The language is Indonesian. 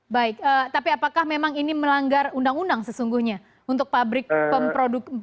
baik tapi apakah memang ini melanggar undang undang sesungguhnya untuk pabrik pemproduksi